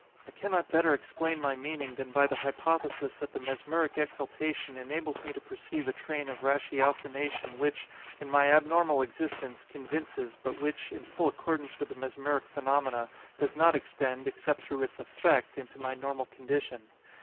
I cannot better explain my meaning than by the hypothesis that the mesmeric exaltation enables me to perceive a train of ratiocination which, in my abnormal existence, convinces, but which, in full accordance with the mesmeric phenomena, does not extend, except through its effect, into my normal condition.